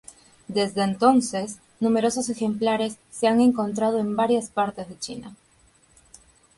Desde entonces, numerosos ejemplares se han encontrado en varias partes de China.